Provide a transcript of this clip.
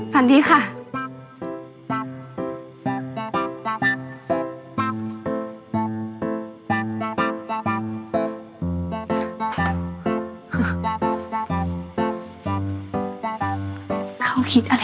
ฝันดีนะครับอ๋อฝันดีค่ะ